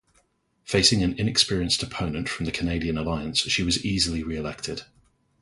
Facing an inexperienced opponent from the Canadian Alliance, she was easily re-elected.